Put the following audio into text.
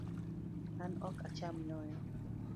An ok acham nyoyo